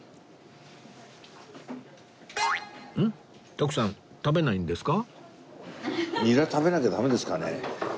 徳さん食べないんですか？